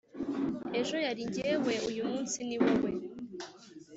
«Ejo yari jyewe, uyu munsi ni wowe!»